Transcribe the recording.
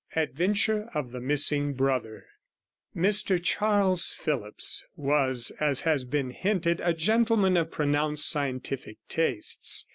ADVENTURE OF THE MISSING BROTHER Mr Charles Phillipps was, as has been hinted, a gentleman of pronounced scientific tastes.